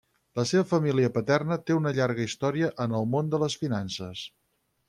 La seva família paterna té una llarga història en el món de les finances.